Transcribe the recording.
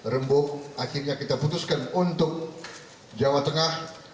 rembuk akhirnya kita putuskan untuk jawa tengah